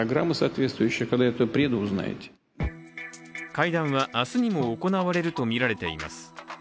会談は明日にも行われるとみられています。